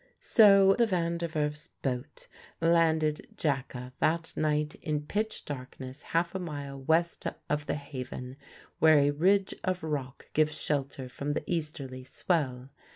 So the Van der Werf's boat landed Jacka that night in pitch darkness half a mile west of the haven, where a ridge of rock gives shelter from the easterly swell.